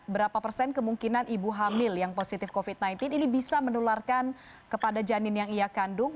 berapa persen kemungkinan ibu hamil yang positif covid sembilan belas ini bisa menularkan kepada janin yang ia kandung